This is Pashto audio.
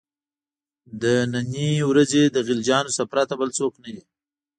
د نني ورځې له غلجیانو څخه پرته بل څوک نه دي.